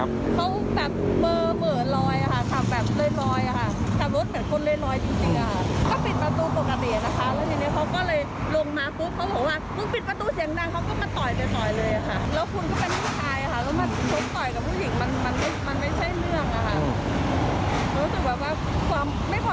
เของู้นภาษาอุจจริงแล้วมาเห็นพวกทำหลาดวนใหม่